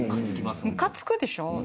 ムカつくでしょ。